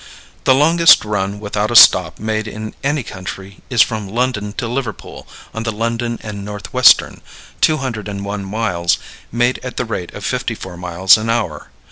The longest run without stop made in any country is from London to Liverpool on the London and Northwestern, 201 miles, made at the rate of fifty four miles an hour.